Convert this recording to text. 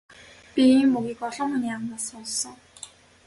Би ийм үгийг олон хүний амнаас сонссон.